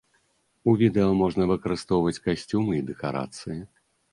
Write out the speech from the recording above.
У відэа можна выкарыстоўваць касцюмы і дэкарацыі.